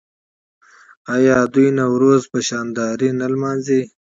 آیا دوی نوروز په شاندارۍ نه لمانځي؟